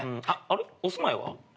あれっお住まいは？